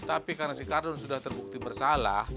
tapi karena si kardon sudah terbukti bersalah